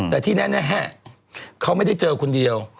แต่ที่แน่เขาไม่ได้เจอคนเดียว